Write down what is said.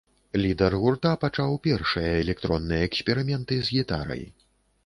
Лідар гурта пачаў першыя электронныя эксперыменты з гітарай.